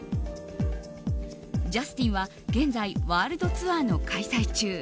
ジャスティンは現在ワールドツアーの開催中。